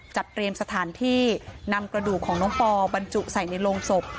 จัดเตรียมสถานที่นำกระดูกของน้องปอบรรจุใส่ในโรงศพ